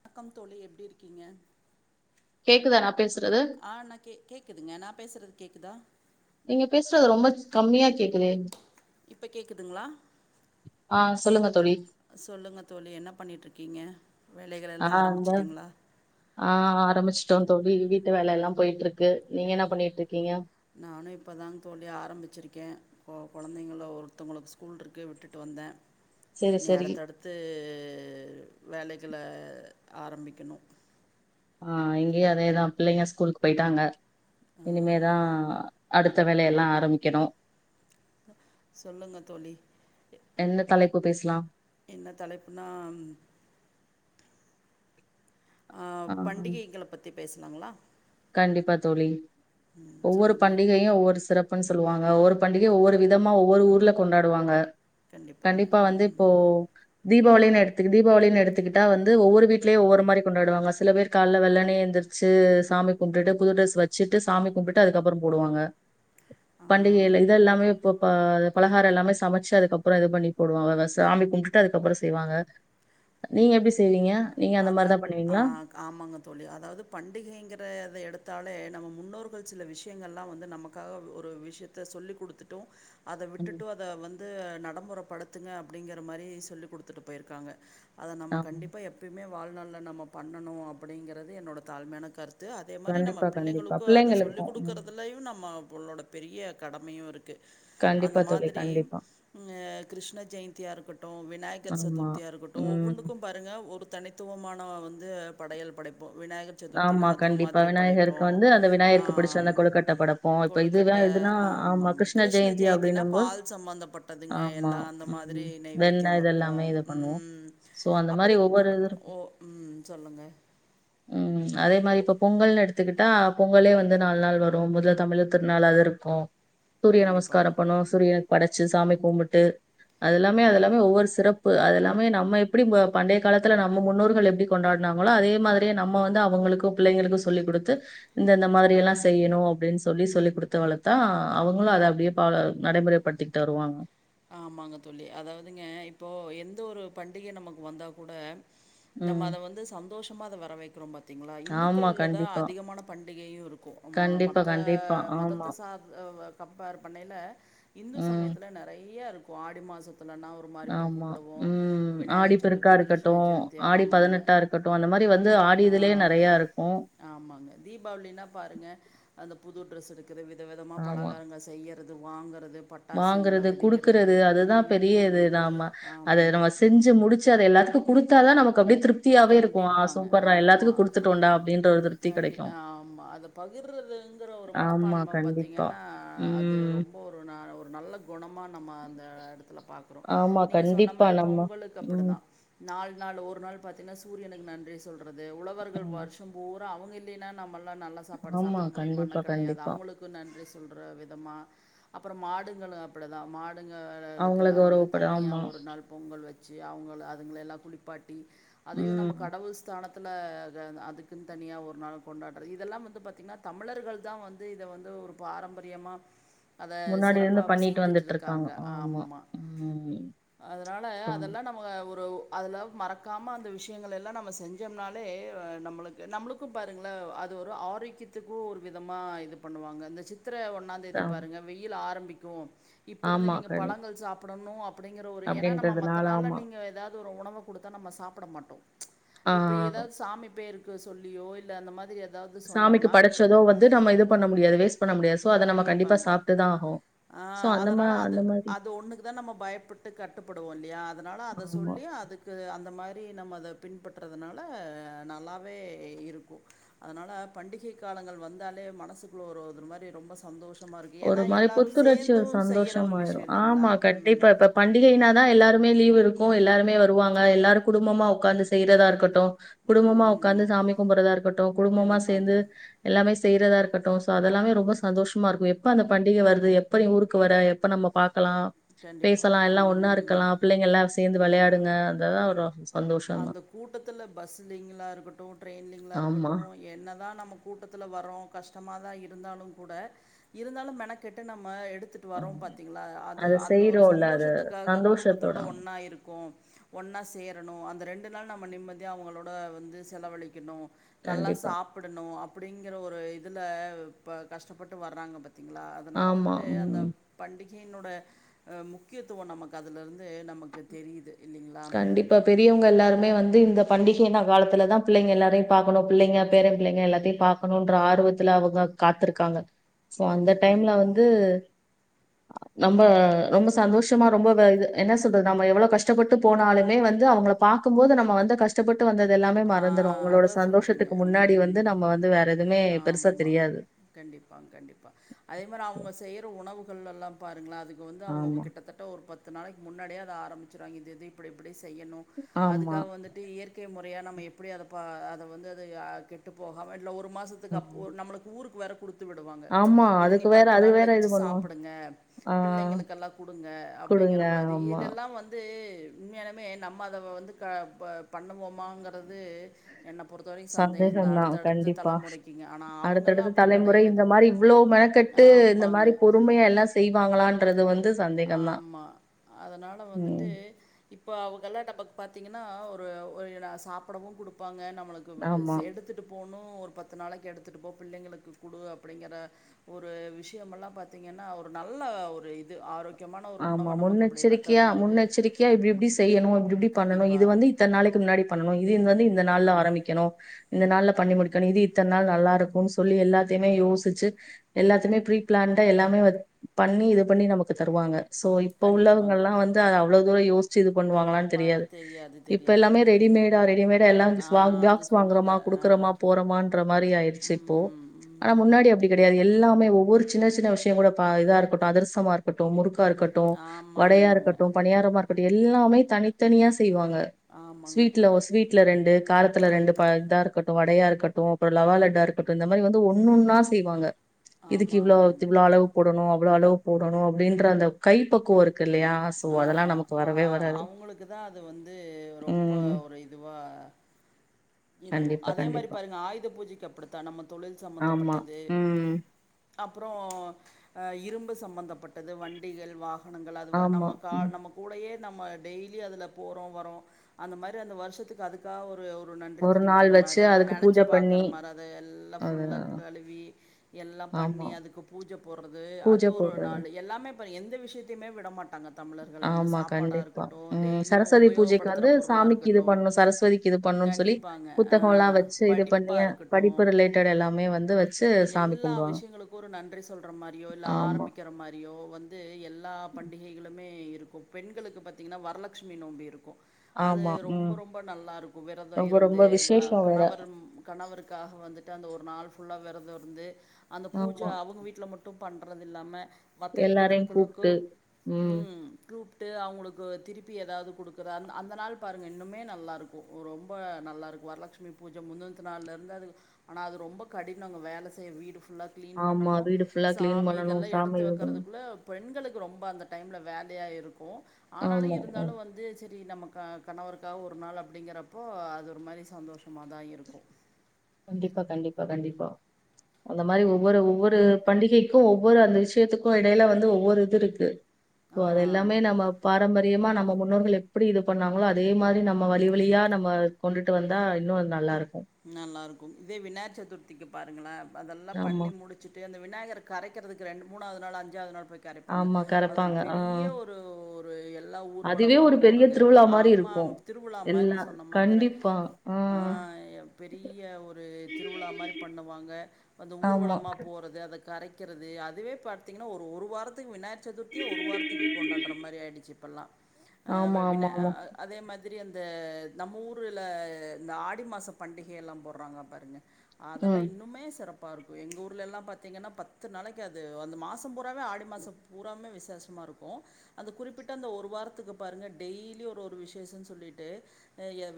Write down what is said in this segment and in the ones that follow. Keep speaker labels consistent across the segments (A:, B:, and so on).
A: வணக்கம் தோழி எப்டி இருக்கீங்க
B: கேக்குதா நாப்
A: ஆ நா கே கேக்குதுங்க நா பேசுறது கேக்குதா
B: நீங்க பேசுறது ரொம்ப கம்மியா கேக்குதே
A: இப்ப கேக்குதுங்ளா
B: ஆ சொல்லுங்க தோழி
A: அ சொல்லுங்க தோழி என்ன பண்ணிட்ருக்கீங்க
B: ஆ அந்த ஆ ஆ ஆ அத் சமச்சிட்டோ தோழி வீ வீட்டு வேல எல்லா போயிட்ருக்கு நீங்க என்னா பண்ணிகிட்ரு
A: நானு இப்பதாங் தோழி ஆரம்பிச்சிருக்கே கொ கொழந்தைங்கள ஒரு த்தவங்களுக்கு ஸ்கூல் இருக்கு விட்டுட்டு வந்தே
B: செரி
A: இனி
B: செரி
A: அடுத்தடுத்து து வேலைகள ஆரம்பிக்கணு,
B: ஆ, இங்கயு அதேதா பிள்ளைங்க ஸ்கூலுக்கு போயிட்டாங்க.
A: ஆ
B: இனிமேதா அடுத்த வேலையெல்லா ஆரம்பிக்கணு
A: சொல்லுங்க தோழி,
B: பு பேசுலா
A: என்ன தலைப்புனா? ஆ, பண்டிகைகள பத்தி பேச நல்லா
B: கண்டிப்பா தோழி ஒவ்வொரு
A: சொல்லுங்க
B: பண்டிகையு ஒவ்வொரு சிறப் ப்புனு சொல்லுவாங்க ஒவ்வொரு பண்டிகை ஒவ்வொரு விதமா ஒவ்வொரு ஊர்ல கொண்டாடுவாங்க
A: கண்டிப்பாங்க
B: கண்டிப்பா வந்து
A: ம்
B: இப்போ தீபாவளின்னு எடுத்து தீபாவளின்னு எடுத்துக்கிட்டா வந்து ஒவ்வொரு வீட்லயு ஒவ்வொரு மாரி கொண்டாடுவாங்க சில பேர் கால வெள்ளண்ணே எழுந்துருச்சி சாமி கும்டுட்டு புது ட்ரெஸ் வெச்சுட்டு சாமி கும்டுட்டு அதுக்கப்பற போடுவாங்க
A: ஆ
B: பண்டிகைல இதெல்லாமே இப்ப பா பலகாரம் எல்லாமே சமைச்சு அதுக்கப்பற இது பண்ணி போடுவாங்க சாமி கும்டுட்டு அதுக்கப்பற செய்வாங்க நீங்க எப்டி செய்வீங்க நீங்க அந்த
A: அத
B: மாரி தான்
A: ஆ
B: பண்ணுவீங்களா?
A: ஆமாங்க தோழி அதாவது பண்டிகைங்கிறத எடுத் த்தலே நம்ம முன்னோர்கள் சில விஷயங்கள்லா வந்து நமக்காக ஒரு விஷயத்த சொல்லி குடுத்துட்டும் அத
B: ம்.
A: விட்டுட்டு அத வந்து த்து நடம்முற படுத்துங்க அப்டிங்கிற மாரி சொல்லி குடுத்துட்டு போயிருக்காங்க அத நம்ம
B: ஆமா.
A: கண்டிப்பா எப் வாழ்நாள்ள நம்ம பண்ணணு அப்டிங்கறது என்னோட தாழ்மையான கருத் த்து அதே மாரி நம்ம
B: கண்டிப்பா, கண்டிப்பா.
A: பிள்ளைங்களுக்கு அத சொல்லிக்
B: பிள்ளைங்களுக்கும். ம்.
A: குடுக்குறதுலயும் நம்ம ல்லோட பெரிய கடமையு இருக் க்கு அந்த
B: கண்டிப்பா தோழி,
A: மாதிரி
B: கண்டிப்பா.
A: ம் ஏ கிருஷ்ண ஜெயந்தியா இருக்கட்டு விநாயகர்
B: ஆமா.
A: சதுர்த்தியா இருக்கட்டு
B: ம்.
A: ஒவ்வொன்னுக்கும் பாருங்க ஒருத் தனித்துவமான வந்து படையல் படைப் விநாயகர் சதுர்த்தினா
B: ஆமா
A: அதொரு
B: கண்டிப்பா.
A: மாதிரி படைப்போ
B: விநாயகருக்கு வந்து அந்த
A: ஆ
B: விநாயகருக்கு பிடிச்ச அந்த கொழுக்கட்டை படைப்போம். இப்ப இதுவே
A: கொழுக்கட்ட
B: இதுனா ஆமா
A: ஆமாங்க கிருஷ்ண
B: ஜெயந்தி
A: ஜெயந்தினா
B: அப்டின்னும்போது
A: பால் சம்பந்தப்பட்டதுங்க
B: ஆமா.
A: எல்லா அந்த மாதிரி
B: ம்.
A: நெய்வேத்தியம்
B: வெண்ணெய் இதெல்லாமே
A: வைப்போம்
B: இது பண்ணுவோம்.
A: ம்
B: ஸோ அந்த
A: அப்ற
B: மாரி ஒவ்வொரு இது இருக்கும்.
A: ஓ ம் சொல்லுங்க
B: ம் அதே மாரி இப்ப பொங்கல்னு எடுத்துக்கிட்டா பொங்கலே வந்து நால் நாள் வரும் முதல்ல தமிழர் திருநாளாக இருக்கு சூரிய
A: கண்டிப்பாக
B: நமஸ்காரம் பண்ணுவோ சூரியனுக் படைச் ச்சு சாமி கும்பிட்டு அது எல்லாமே அது
A: ஆ
B: எல்லாமே ஒவ்வொரு சிறப் ப்பு அது எல்லாமே நம்ம எப்டி ப பண்டைய காலத்துல நம்ம முன்னோர்கள் எப்டி கொண்டாட்னாங்களோ அதே மாதிரி ப்டியே நம்ம வந்து அவங்களுக்கு பிள்ளைங்களுக்கு சொல்லிக் கொடுத்து இந்தந்த மாதிரி எல்லா செய்யணு அப்படின்னு சொல்லி சொல்லி குடுத்து வளத்தா அவங்களு அத அப்டியே பாலோ நடைமுறைப்படுத்திகிட்டு வருவாங்க
A: ஆமாங்க தோழி அதாவதுங்க இப்போ எந்த ஒரு பண்டிகை நமக்கு வந்தா கூட நம்ம
B: ம்.
A: அத வந்து சந்தோஷமா அத வ வறவேக்கிறோ பார் திங்களா
B: ஆமா.
A: இந்துக்கள்ல தா
B: கண்டிப்பா.
A: அதிகமான பண்டிகையு இருக்கு ஆமா
B: கண்டிப்பா,
A: மத்த
B: கண்டிப்பா. ஆமா.
A: மதத்த சார்ந் அ கம்பேர் பண்ணயில இந்து
B: ம்.
A: சமயத்துல நெற தீயா இருக்கும் ஆடி மாசத்து த்துல நா ஒரு மாரி இப்ப
B: ஆமா.
A: கும்புடவு
B: ம்.
A: விநாயகர்
B: ஆடிப்பெருக்கா
A: சதுர்த்தி
B: இருக்கட்டு,
A: க்ருஷ்ணர் ஜந்தி
B: ஆடி
A: ஆமாங்க
B: இருக்கட்டு, அந்த மாரி வந்து
A: ஆ
B: ஆடி இதுலயே நெறையா இருக்கும்.
A: ஆமாங்க தீபாளின்னா பாருங்க அந்தப் புது டிரஸ் எடுக் கிறது விதவிதமா
B: ஆமா.
A: பலகாரங்கள் செய்ய றது வாங்கறது பட்டாசுங்கள வெடி
B: க்குறது அதுதா பெரியதுதாமா அத
A: ஆமா
B: நம்ம செஞ்சி முடிச்சி அத எல்லத்துக்கு குடுத்தாதா நமக்கு அப்டியே திருப்
A: கண்டிப்பாங்க ஆமா
B: குடுத்துட்டோம்டா அப்படின்ற ஒரு திருப்தி
A: கண்டி
B: கிடைக்கும்.
A: ஆமா அத பகிர்றதுங்கிற ஒரு
B: ஆமா,
A: மனப்பான்ம
B: கண்டிப்பா.
A: பத்தீங்கன்னா அது
B: ம்.
A: ரொம்ப ஒரு நா நல்ல கொணமா நம்ம அந்த எடத்துல பா க்குறோ
B: ஆமா,
A: நீங்க சொன்ன
B: கண்டிப்பா
A: மாரி
B: நம்ம
A: பொங்கலுக்கு
B: ம்,
A: அப்டிதா நாள் நாள் ஒரு நாள் பாத்தீங்கன்னா சூரியனுக்கு நன்றி சொல் றது உழவர்கள்
B: ம்.
A: வருஷம் பூர் அவுங்க இல்லைன்னா நம்மள் லா நல்ல சாப்பாடு
B: ஆமா,
A: சாப்ட முடியுமான்னா
B: கண்டிப்பா,
A: கெடையாது
B: கண்டிப்பா.
A: அவுங்களுக்கு நன்றி சொல்ற விதமா அப்பறோ மாடுங்களு அப்டிதா மாடு
B: அவங்கள
A: ங்களுக்கெல்லா வந்து
B: கௌரவப்பட
A: தனியா
B: ஆமா.
A: ஒரு நாள் பொங்கல் வச் சி அவுங்கள அதுங்கள எல்லா குளிப்பாட்டி அதயு நம்ம
B: ம்.
A: கடவுள் ஸ்தானத் துல அதுக்குன் தனியா ஒரு நாள் கொண்டாடுறது இதெல்லாம் வந்து பாத்தீங்கன்னா தமிழர்கள் தா வந்து இத வந்து ஒரு பாரம்பரியமா அத
B: முன்னாடி இருந்து
A: சிறப்பாப்
B: பண்ணிட்டு வந்துட்டுருக்காங்க.
A: செஞ்சிட்டுருக்காங்க
B: ஆமா.
A: ஆம்மா
B: ம்.
A: அதனால அதெல்லா நம்ம ஒருவ் அதுலவ் மறக்காம அந்த வி ஷ்யங்கள் எல்லா நம்ம செஞ்சோம்னாலே வு நம்ளுக்கு நம்ளுக்கு பாருங்ளவ் அது ஒரு ஆரோக்கியத்துக்கு ஒர் விதமா இது பண்ணுவாங்க இந்த சித் த்துர ஒன்னான் தேதி
B: ஆமா.
A: பாருங்க வெயில் ஆரம் பிக்கு இப் இருந்து
B: ஆமா.
A: நீங்க
B: கண்
A: பழங்கள் சாப் ப்புடன்னு அப் புடிங்கிற ஒரு ஏனா நம்ம மத்த
B: அப்படின்றதுனால
A: நாள்ல
B: ஆமா.
A: நீங்க ஏதாவ் துரோ உணவு குடுத்தா நம்ம சாப்புட மாட் இப்புடி
B: ஆ.
A: ஏதாவ்து சாமி பேரு கு சொல்லியோ இல்ல அந்த மாதிரி எத் தாவ்து
B: சாமிக்கு
A: சொன்னம்னா நா
B: படைச்சதோ வந்து நம்ம இது பண்ண முடியாது வேஸ்ட் பண்ண முடியாது. சோ, அத நம்ம கண்டிப்பா
A: கண்டிப்பாங்
B: சாப்ட்டுதான் ஆகணும்.
A: ஆ
B: சோ, அந்த மா
A: அதனால அது
B: அந்த மாரி.
A: அது ஒண்ணுக்குதா நம்ம பயப்பட்டு கட்டுப்படுவோ இல்லியா அதுனால அத
B: ஆமா.
A: சொல்லி அதுக்கு அந்த மார் நம் அத பின்பற்றதுனால நல்லாவே இருக்கு அதனால பண்டிஹை காலங்கள் வந்தாலே மனசுக்குள்ள ஒரு த்ரு மாரி ரொம்ப சந்தோஷ்
B: ஒரு மாரி புத்துணர்ச்சி ஒரு
A: செய்யற
B: சந்தோஷம்
A: ஒரு
B: ஆயிரும்
A: விஷயம் இல்லைங்களா?
B: ஆமா
A: ம்.
B: கண்டிப்பா இப்ப பண்டிகைனாதா எல்லாரு மே லீவு இருக்கும் எல்லாருமே வருவாங்க எல்லாரும் குடும்பமா உக்காந்து செய்யறதா இருக்கட்டும் குடும்பமா
A: ம்.
B: உக்காந்து சாமி கும்புரதா இருக்கட்டும் குடும்பமா
A: கண்டிப்பாங்க.
B: சேந்து எல்லாமே செய்யறதா இருக்கட்டும் சோ அதெல்லாமே ரொம்ப சந்தோஷ் சும்மா இருக்வே ப்ப அந்த பண்டிக வருது எப்ப ஊருக்கு வர எப்ப நம்ம பாக் க்கலாம்
A: கண்டிப்பா.
B: பேசலாம் எல்லாம் ஒன்னா
A: ம்.
B: இருக்கலாம் பிள்ளைங்க எல்லாம் சேந்து
A: ஆமா.
B: வெள்ளாடுங்க அதெல்லா ஒரு சந்தோஷம்
A: அந்த
B: தான்.
A: கூட்டத்துல பஸ்லிங்களா இருக்கட்டும் டரெயின்லிங்களா
B: ஆமா.
A: இருக்கட்டும் என்னதா நம்ம கூட்டத்துல வரோ கஷ் டமா தா இருந்தாலும் கூட இருந்தாலும் மெனக்கெட்டு நம்ம எ டுத்துட்டு வரோ
B: ம்.
A: பாத்தீங்களா அது
B: அத
A: அந்த ஒரு
B: செய்றோல்ல அது
A: சந்தோஷத்துக்காக
B: சந்தோஷத்தோட
A: குடும்பத்தோட
B: ஆமா
A: ஒன்னா இருக்கோ ஒன்னா சேரணும் அந் த ரெண்டு நாள் நம்ம நிம்மதியா அவ்ங்களோட வந்து செலவழிக்குணும் நல்லா
B: கண்டிப்பா
A: சாப்டணும் அப் படிங்கற ஒரு இதுல இப்ப கஷ்டப்பட்டு வர்றாங்க பத் திங்களா அதனால
B: ஆமா
A: வந்துட்டு அந்த
B: ம்
A: பண்டி கைனோட ஆஹ் முக்கியத்துவம் நமக்கு அதுல இருந் து நமக்கு தெரியுது இல்லிங்களா
B: க எல்லாருமே வந்து இந்த பண்டிகையின காலத்துலதா பிள்ளைங்க எல்லாரையும் பாக்கணும் பிள்ளைங்க பேர பிள்ளைங்க எல்லாத்தையும் பாக்கணும்ன்ற ஆர்வத்துல அவ்ங்க காத்திருக்காங்க சோ அந்த
A: கண்டிப்பாங்க
B: டைம்ல வந்து நம்ப ரொம்ப சந்தோஷமா ரொம்பவே இது என்ன சொல்றது நம்ம எவ்வளோ கஷ்டப்பட்டு போனாலுமே வந்து அவங்கள பாக்கும்போது நம்ம வந்து கஷ்டப்பட்
A: ஆஹ் அத சொல்றங்க
B: முன்னாடி
A: உம்
B: வந்து நம்ம வந்து வேற எதுவுமே பெருசா
A: ஆமா
B: தெரியாது
A: கண்டிப்பா கண்டிப்பா அதே மாரி அவ்ங்க செய்யற உணவு கள் எல்லாம் பாருங்களே அதுக் வந்து அவ்ங்க
B: ஆமா
A: கிட்டத்தட்ட ஒரு பத் து நாளைக்கு முன்னாடியே அத ஆரம்பிச்சுருவாங்க இது இது இப்டி இப்டி செய்யணும்
B: ஆமா
A: அதுக்காக வந்துட்டு இயற்கை முற யா நம்ம எப்டி அத ப அத வந்து அத கெட்டு போகாம ஒரு மாசத்துக்கு அப்
B: ம்
A: நம்மளுக்கு ஊருக்கு வேற குடுத்து விடுவாங்க
B: ஆமா.
A: இது நீ
B: அதுக்கு வேற
A: பத்து
B: அது
A: நாள்
B: வேற
A: வச்சு
B: இது பண்ணுவோம்.
A: சாப்டுங்க
B: ஆ
A: பிள்ளைங்களுக்கெல்லாம் குடுங்க
B: குடுங்க.
A: அப்டிங்கிற மாரி
B: ஆமா.
A: இதெல்லாம் வந்து உண்மையாலுமே நம்ம அத வந்து க ப பண்ணும்போ வாங்கறது
B: சந்தேகம்தா
A: அடுத்தடுத்த
B: கண்டிப்பா
A: தலைமுறைக்குங்க ஆனால் அவங்கெல்லாம்
B: அடுத்தடுத்த
A: அப்படி
B: தலைமுறை இந்த
A: கிடையாது
B: மாரி இவ்ளோ மெனக்கட்டு இந்த
A: ஆமாங்க
B: மாரி பொறுமையா எல்லாம் செய்வாங்களான்றது வந்
A: ஆமா அதனால வந்துட்டு
B: ம்.
A: இப்ப அவ்ங்கெல்லாம் நமக் பாத் பாத்தீங்கன்னா ஒரு ஒரு சாப்பிடவும் கொடுப்பாங்க நம்ம உனக்கு விழுஸ்
B: ஆமா.
A: எடுத்துட்டு போணும் ம் ஒரு பத்து நாளைக்கு எடுத்துட்டு போ பிள்ளைங்களுக்கு குடு அப்படிங்கிற ஒரு விஷயமல்லாம் பாத்தீங்கன்னா ஒரு நல்ல ஒரு இது ஆரோக்
B: ஆமா முன்னெச்சரிக்கையா முன்னெச்சரிக்கையா இப்டி இப்டி செய்யணு இப்டிப்டி பண்ணணு
A: கண்டிப்பா.
B: இது வந்து இத்தன நாளைக்கு முன்னாடி பண்ணணு இது இ வந்து இந்த நாள்
A: ம்,
B: ஆரம்பிக்கணு இந்த நாள்ல
A: ம்.
B: பண்ணி முடிக்கணு இது இத்தன் நாள் நல்லா ருக்கும் சொல்லி எல்லாத்தைமே யோசிச்சு எல்லாத்தமே ஃப்ரி பிளாண்ட்டா எல்லாமே பண்ணி இது பண்ணி நமக்கு தருவாங்க சோ இப்ப
A: கண்டிப்பாங்க.
B: உள்ளவங்கல்லாம் வந்து அ இவ்ளோதூரயோச்சது பண்ணுவாங்களான்
A: பா
B: தெரியாது இப்ப
A: தெரியாது.
B: ல்லாமே ரெடிமேடா ரெடிமேடா எல்லா
A: ஆ
B: ஸ்வாங்க
A: அது சொல்லுங்க.
B: ஸ்வாங்க்றோமா
A: ஆ.
B: குடுக்கறமோ போறமான்ற மாறி ஆய்ரிச்சு இப்போ
A: ம்,
B: ஆனா
A: ம்.
B: முன்னாடி அப்டி கெடையாது எல்லாம் னே ஒவ்வொரு சின்ன சின்ன விஷயங்களு பா இதா இருக்கட்டும் அதிரசமா ருக்கட்டும் முறுக் கா இருக்கட்டும் வடையா
A: ஆமாமாங்க.
B: இருக்கட்டும் பணியாரமா இரு அப்படி எல்லாமே தனித்தனியா செய்வாங்க
A: ஆமாங்க.
B: ஸ்வீட்ல ஸ்வீட்ல ரெண்டு காலத்துல ரெண்டு ப இதா இருக்கட்டு வடையா இருக்கட்டு அப்புறம் லவாலட்டா இருக்கட்டும் இந்த மாதிரி வந்து ஒண்ணொன்னா செய்வாங்க இதுக்கு
A: ஆமா,
B: இவ்ளோ த்
A: ஆமாங்க.
B: இவ்ளோ அளவு போடணு இவ்ளோ அளவு போடணு அப்டின்ற அந்த கை பக்குவொ இருக்
A: ஆமா ஆஹ் அவங்களுக்குதா அது வந்து ரொம்ப
B: ம்
A: ஒரு இதுவா இருக்கு
B: கண்டிப்பா
A: அதே மாரி
B: கண்டிப்பா
A: பாருங்க ஆயுத பூஜைக்கு அப்படித்தான் நம்ம தொழில்
B: ஆமா
A: சம்பந்தப்பட்டது
B: ம்
A: அப்புறோ அ இரும்பு சம்பந்தப்பட்டது வண்டிகள் வாக ணங்கள் அதுவ
B: ஆமா
A: நம்ம ஆ
B: ம்
A: நம்ம கூடயே யே நம்ம டெய்லி அதுல போறோ வற்றோ அந்த மாரி அந்த வருஷத்துக்கு அதுக்காக ஒரு நன்றி
B: ஒரு நாள்
A: தெரிவிக்கிற
B: வச்சு
A: மாறி அத
B: அதுக்கு பூஜ
A: நேனச்சு பாக்குற
B: பண்ணி
A: மாறி அதெல்லா
B: அது
A: ஃபுல்லா கழுவி எல்லா
B: ஆமா
A: பண்ணி அதுக்கு பூஜ போட்றது
B: பூஜ
A: அது ஒரு
B: போடுறது.
A: நாளு எல்லாமே எந்த விஷயத்தையுமே விட மாட்டாங்க தமிழர்கள் வந்து
B: ஆமா,
A: சாப்பாடா
B: கண்டிப்பா.
A: இருக்கட்டு
B: ம்.
A: டெய்லியும்
B: சரஸ்வதி பூஜைக்கு
A: உபயோகப்படுத்துற
B: வந்து
A: பொருளா
B: சாமிக்கு இது
A: இருக்கட்டும்
B: பண்ணணும், சரஸ்வதிக்கு இது பண்ணணும்னு சொல்லி
A: கண்டிப்பாங்க ஆ
B: புத்தகம்லாம் வச்சு இது பண்ணி,
A: படிப்பா இருக்கட்டூ
B: படிப்பு ரிலேட்டட் எல்லாமே வந்து வச்சு சாமி
A: எல்லா
B: கும்பிடுவாங்க.
A: விஷயங்களுக்கும் ஒரு நன்றி சொல்ற மாரியோ இல்ல
B: ஆமா,
A: ஆரம்பிக்கற மாரியோ வந்து எல்லா பண்டிகை மே இருக்கும் பெண்களுக்கு பாத்தீங்கன்னா வரலட்சுமி நோம்பி இருக்கும் அது
B: ஆமா.
A: ரொம்ப
B: ம்.
A: ரொம்ப நல்லாருக்கும் விரத
B: ரொம்ப
A: இருந்து
B: ரொம்ப விசேஷம் வேற.
A: கணவர் கணவருக்காக வந்து அந்த ஒரு நாள் ஃபுல்லா வெரத இருந்து அந்த பூஜ
B: ஆமா.
A: அவுங்க வீட்டுல மட்டும் பண்றதுதில்லாம
B: எல்லாரையும் கூப்ட்டு ம்.
A: உம் குருப் ட்டு அவங்களுக்கு திருப்பி ஏதாவது கொடுக்குறது அந்த் அந்த நாள் பாருங்கள் இன்னுமே நல்லாயிருக்கும் ரொம்ப நல்லாயிருக்கும் வரலட்சுமி பூஜ முந்தத் நாள்லேருந்து அது ஆனா அது ரொம்ப கடினங்க வேல செய்ய வீடு ஃபுல்லா க்ளீன்
B: ஆமா.
A: பண்ணணு
B: வீடு ஃபுல்லா கிளீன்
A: சாமி
B: பண்ணணும்.
A: இதெல்லாம்
B: சாமி
A: எடுத்து
B: இது பண்ணணும்.
A: வக்கறதுக்குள்ள பெண்களுக்கு ரொம்ப அந்தட் டைம்ல வேலையாய்ருக் கு ஆனாலு
B: ஆமா.
A: இருந்தாலு
B: ம்.
A: வந்து சேரி தி நம்ம க கணவருக்காக ஒரு நாள் அப்டிங்கிறப்போ அது ஒரு மாரி சந்தோஷமாதா இருக்கு
B: கண்டிப்பா, கண்டிப்பா, கண்டிப்பா அந்த மாரி ஒவ்வொரு ஒவ்வொரு பண்டிகைக்கு ஒவ்வொரு அந்த விஷயத்துக்கு எடையில வந்து ஒவ்வொரு இது இருக்கு இப்போ
A: ஆ
B: அதெல்லாமே நம்ம பாரம்ப ரியமா நம்ம முன்னோர்கள் எப்டி இது பண்ணாங்களோ அதே மாரி நம்ம வழி வழியா நம்ம கொண்டுட்டு வந்தா இன்னு நல்லா இருக்கு
A: நல்லா இருக்கு இதே விநாயகர் சதுர்த்திக்கு பாருங்களா அதெல்லா
B: ஆமா,
A: பண்ணி முடிச்சுட்டு அந்த விநாயகர கரைக்கறதுக்கு ரெண்டு மூணாவது நாள் அஞ்சாவது நாள் போய் கரைப்பாங்க
B: ஆமா
A: அது ஒரு
B: கரப்பாங்க. ஆ
A: பெரிய ஒரு ரு எல் எல்லா
B: அதுவே
A: ஊர்வலமா
B: ஒரு பெரிய
A: போறது
B: திருவிழா மாரி
A: ஆமா
B: இருக்கும்.
A: திருவிழா மாரி
B: எல்லாம்
A: சொன்ன மதுர
B: கண்டிப்பா.
A: ஆ பெரிய ஒரு திருவிழா மாரி பண்ணுவாங்க அந்த
B: ஆமா,
A: ஊர்வலமா போறது அத கரைக்கிறது அதுவே பாத்தீங்கனா ஒரு ஒரு வாரத்துக்கு விநாயகர் சதுர்த்தியே ஒரு வாரத்துக்கு கொண்டாடுற மாரி ஆயிடுச்சு இப்பல்லா அ, வ
B: ஆமா,
A: விநா
B: ஆமா,
A: அ
B: ஆமா.
A: அதே மாரி தெரிய அந்த நம்ம ஊர்ல இந்த ஆடி மாசோ பண்டிகையெல்லா போட்றாங்க பாருங்க அதெல்லா
B: ம்.
A: இன்னுமே சிறப் பா இருக்கு எங்க ஊர்லல்லா பாத்தீங்கன்னா பத்து நாளைக்கி அது அந்த மாசம் பூராவே ஆடி மாசம் பூராவுமே விசேஷமா இருக்கு அந்த குறிப்பிட்ட அந்த ஒரு வாரத்துக்கு பாருங்க டெய்லியு ஒரு ஒரு விசேஷன்னு சொல்லிட்டு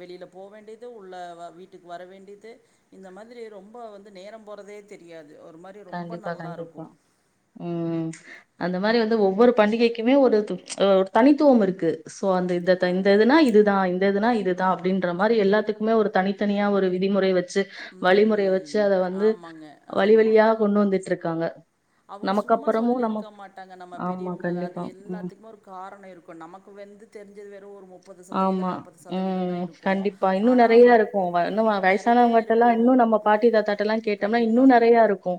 A: வெளில போ வேண்டிது உள்ள வீட் க்கு வர வேண்டியது இந்த மாதிரி ரொம்ப வந்து நேரம் போறதே தெரியாது ஒரு மாரி ரொம்ப
B: கண்டிப்பா
A: நல்லா இருக்கு
B: கண்டிப்பா ம் அந்த மாரி வந்து ஒவ்வொரு பண்டிகைக்குமே ஒரு ஒரு தனித்துவம் இருக்கு சோ அந்த இதத்தா இந்த
A: கண்டிப்பாங்க
B: இதுனா இதுதா இந்த இதுனா இது தா அப்டின்ற மாரி எல்லாத்துக்குமே ஒரு தனித்தனியா ஒரு விதிமுறை வச் சி வழிமுறைய வச்சி
A: ம்
B: அத வந்து
A: ஆமாங்க
B: வழி வழியா திட்ருக்காங்க
A: அவுங்க சும்மா சொல்லிருக்க மாட்டாங்க நம்ம
B: ஆமா
A: பெரியவங்க அது
B: கண்டிப்பா ம்
A: எல்லாத்துக்குமே ஒரு காரணோ இருக்கு நமக்கு வந்து தெரிஞ்சது வெறு
B: ஆமா ம்
A: இருக்கும்
B: கண்டிப்பா இன்னு
A: ஆனால்
B: நெறையா
A: வந்து
B: இருக்கு இன்னு
A: ம், நிறைய
B: வயசானவங்கிட்டல்லா
A: இருக்கும்
B: இன்னு நம்ம பாட்டி தாத்தாட்டெல்லா கேட்டம்னா இன்னு
A: கண்டிப்பாங்க
B: நெறையா இருக்கு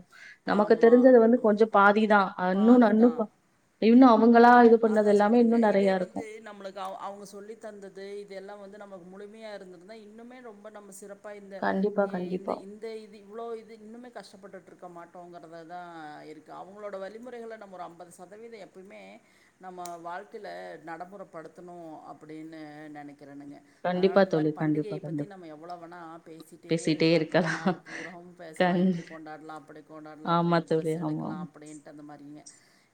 B: நமக்கு
A: ஆமாம்
B: தெரிஞ்சது வந்து கொஞ்ச பாதி தா ஆ இன்னு
A: பாதி
B: இன்னு
A: தான்
B: பா இன்னு அவ் அவங்களா இது பண்ணது எல்லாமே இன்னு நறையா இருக்கு
A: அவங்கோ சொல்லி தந்தது இதெல்லா வந்து நமக் முழுமையா இருந்திருந்த இன்னுமே ரொம்ப நம்ம சிறப் இந்த
B: கண்டிப்பா கண்டிப்பா
A: இந்த இது இவ்வளவு இது இன்னுமே கஷ்டப்பட்டு இருக்க மாட்டோங்கிறதா இருக்கு அவங்களோட வழிமுறைகள நம்ம ஒரு ஐம்பது சதவீதோ எப் எப்புமே நம்ம வாழ்க்யில நடமுறபடுத்தணு அப்டின்னு நினக் வக்கிறணுங்க அதனால
B: கண்டிப்பா
A: இந்த மாரி
B: தோழி கண்டிப்பா
A: பண்டிகையை பத்தி
B: கண்டிப்பா
A: நம்ம எவ்ளோ வேணா பேசிட்டே இருக்கலா நாலு பூரவு பேசலா
B: கண்
A: இப்படி கொண்டாடலா அப்படி கொண்டாடலா
B: ஆமா
A: புது
B: தோழி
A: ட்ரெஸ்
B: ஆமா
A: எடுக்கலாம்
B: ஆமா
A: அப்டின்ட்டு அந்த மாரிங்க ஹ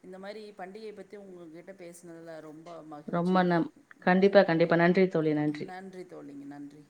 A: இந்த மாரி பண்டிகையை பத்தி உங்கக்கிட்ட பேசனதுலா ரொம் ரொ மகிழ்ச்சி
B: ரொம்ப நம் கண்டிப்பா
A: இ
B: கண்டிப்பா நன்றி தோழி
A: இ நன்றி தோலிங்க நன்றி